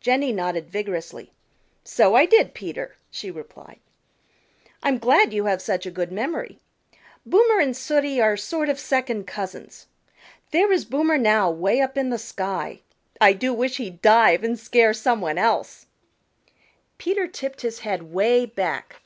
Jenny nodded vigorously. "So I did, Peter," she replied. "I'm glad you have such a good memory. Boomer and Sooty are sort of second cousins. There is Boomer now, way up in the sky. I do wish he'd dive and scare some one else." Peter tipped his head 'way back.